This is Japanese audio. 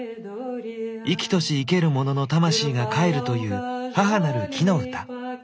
生きとし生けるものの魂がかえるという母なる木の歌。